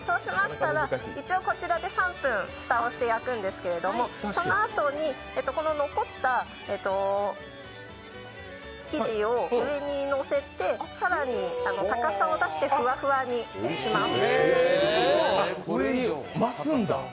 こちらで３分蓋をして焼くんですけどそのあとに残った生地を上に乗せて更に高さを出してふわふわにします。